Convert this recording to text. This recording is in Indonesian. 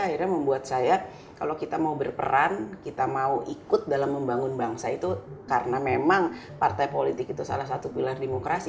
akhirnya membuat saya kalau kita mau berperan kita mau ikut dalam membangun bangsa itu karena memang partai politik itu salah satu pilar demokrasi